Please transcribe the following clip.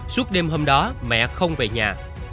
suốt đêm hôm đó mẹ không về nhà